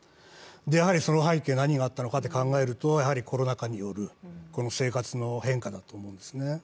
その背景に何があったのかと考えるとやはりコロナ禍による生活の変化だと思うんですね。